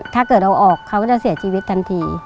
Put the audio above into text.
ถ้าเกิดเอาออกเขาก็จะเสียชีวิตทันที